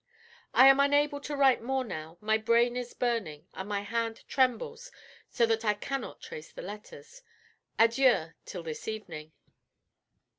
I am unable to write more now; my brain is burning, and my hand trembles so that I cannot trace the letters. Adieu till this evening.